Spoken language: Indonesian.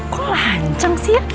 kok lanceng sih ya